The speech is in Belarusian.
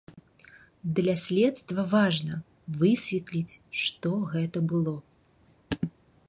Для следства важна, высветліць, што гэта было.